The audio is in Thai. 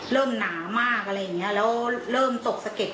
เริ่มหนามากอะไรอย่างนี้แล้วเริ่มตกสะเก็บ